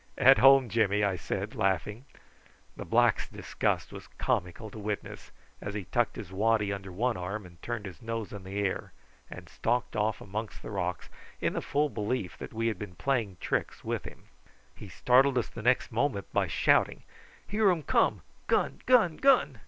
"At home, Jimmy," I said, laughing. The black's disgust was comical to witness as he tucked his waddy under one arm, turned his nose in the air, and stalked off amongst the rocks, in the full belief that we had been playing tricks with him. He startled us the next moment by shouting: "Here um come! Gun, gun, gun!"